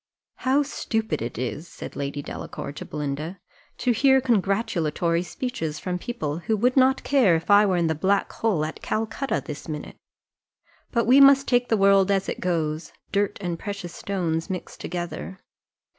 "How stupid it is," said Lady Delacour to Belinda, "to hear congratulatory speeches from people, who would not care if I were in the black hole at Calcutta this minute; but we must take the world as it goes dirt and precious stones mixed together.